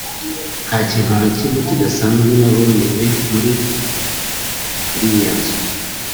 “Nta kintu na kimwe kidasanzwe naboneye muri iriya nzu